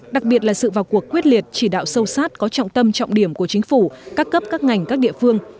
đặc biệt là sự vào cuộc quyết liệt chỉ đạo sâu sát có trọng tâm trọng điểm của chính phủ các cấp các ngành các địa phương